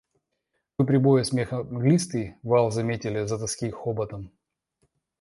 Вы прибоя смеха мглистый вал заметили за тоски хоботом?